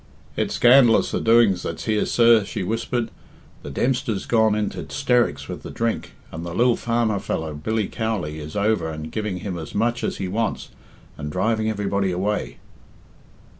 "It's scandalous the doings that's here, sir," she whispered. "The Dempster's gone into 'sterics with the drink, and the lil farmer fellow, Billiam Cowley, is over and giving him as much as he wants, and driving everybody away."